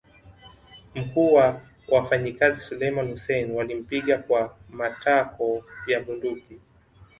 Mkuu wa wafanyikazi Suleiman Hussein walimpiga kwa matako ya bunduki